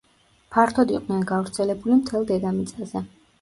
ფართოდ იყვნენ გავრცელებული მთელ დედამიწაზე.